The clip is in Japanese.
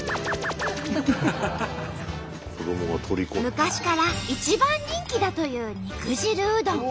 昔から一番人気だという肉汁うどん。